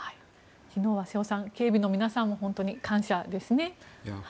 昨日は瀬尾さん、警備の皆さんも本当ですね。